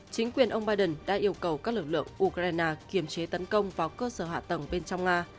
chính quyền ông biden đã yêu cầu các lực lượng ukraine kiềm chế tấn công vào cơ sở hạ tầng bên trong nga